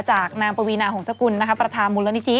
จากนางปวีนาหงษกุลประธานมูลนิธิ